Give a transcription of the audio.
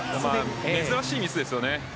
珍しいミスです。